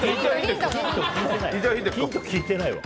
ヒント聞いてないわ。